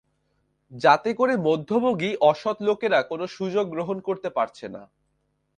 যাতে করে মধ্যভোগী অসত্ লোকেরা কোনো সুযোগ গ্রহণ করতে পারছে না।